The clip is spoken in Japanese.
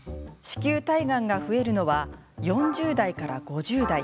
子宮体がんが増えるのは４０代から５０代。